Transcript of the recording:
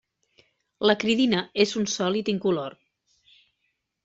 L'acridina és un sòlid incolor.